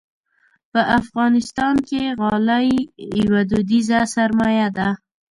په افغانستان کې غالۍ یوه دودیزه سرمایه ده.